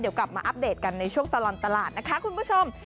เดี๋ยวกลับมาอัปเดตกันในช่วงตลอดตลาดนะคะคุณผู้ชม